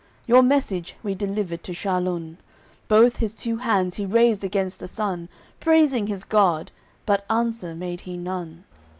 Your message we delivered to Charlun, Both his two hands he raised against the sun, Praising his God, but answer made he none.